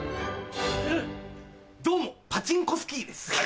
どうもパチンコスキーです。